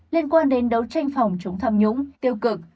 liên quan đến đấu tranh phòng chống tham nhũng tiêu cực